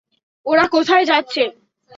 ওরা কোথায় যাচ্ছে?